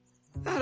あ。